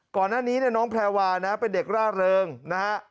ก่อนนั้นนี้น้องแพลวาเป็นเด็กร่าเลิงนะครับ